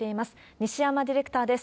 西山ディレクターです。